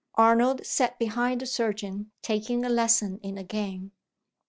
Arnold sat behind the surgeon, taking a lesson in the game.